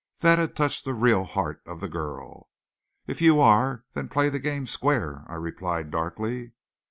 That had touched the real heart of the girl. "If you are, then play the game square," I replied darkly.